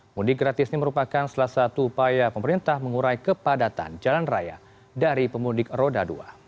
mudik gratis ini merupakan salah satu upaya pemerintah mengurai kepadatan jalan raya dari pemudik roda dua